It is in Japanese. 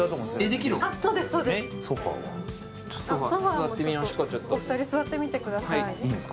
ソファーもお二人、座ってみてください。